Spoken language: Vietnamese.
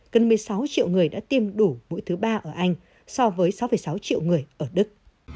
gần một mươi sáu triệu người đã tiêm đủ mũi thứ ba ở anh so với sáu sáu triệu người ở đức